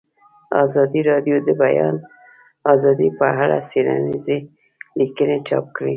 ازادي راډیو د د بیان آزادي په اړه څېړنیزې لیکنې چاپ کړي.